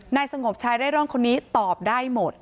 นายสงบชายได้ร่องคนนี้ตอบได้หมด